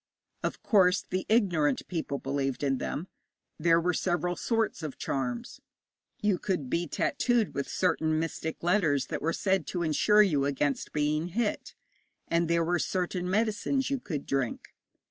Of course, the ignorant people believed in them. There were several sorts of charms. You could be tattooed with certain mystic letters that were said to insure you against being hit, and there were certain medicines you could drink.